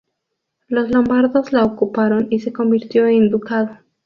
Los lombardos la ocuparon y se convirtió en ducado.